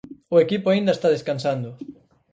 O equipo aínda está descansando.